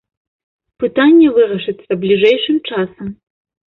Пытанне вырашыцца бліжэйшым часам.